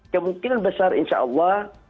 kemungkinan besar insya allah